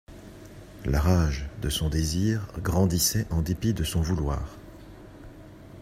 La rage de son désir grandissait en dépit de son vouloir.